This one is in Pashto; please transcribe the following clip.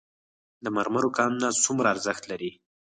د مرمرو کانونه څومره ارزښت لري؟